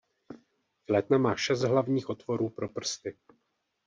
Flétna má šest hlavních otvorů pro prsty.